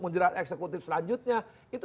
menjerat eksekutif selanjutnya itu